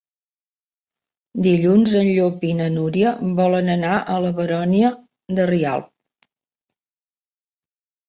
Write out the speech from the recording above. Dilluns en Llop i na Núria volen anar a la Baronia de Rialb.